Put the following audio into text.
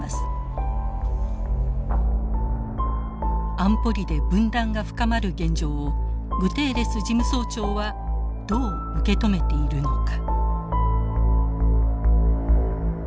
安保理で分断が深まる現状をグテーレス事務総長はどう受け止めているのか。